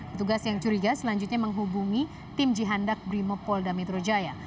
petugas yang curiga selanjutnya menghubungi tim jihandak brimopolda metrojaya